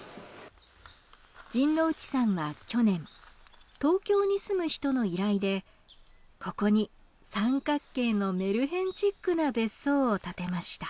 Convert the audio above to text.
陣内さんは去年東京に住む人の依頼でここに三角形のメルヘンチックな別荘を建てました。